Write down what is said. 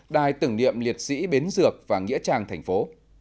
đài tưởng niệm liệt sĩ bến dược và nghĩa trang thành phố